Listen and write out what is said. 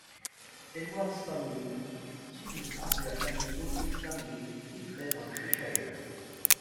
Edward Stanley est issu d'une branche de la famille Audley-Stanley, titrée dans le Cheshire.